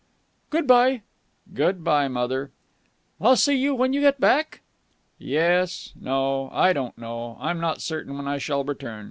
"Good bye." "Good bye, mother." "I'll see you when you get back?" "Yes. No. I don't know. I'm not certain when I shall return.